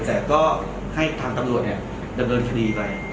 แต่ก็ให้ทางตำรวจต้องเดินคณีย์ไป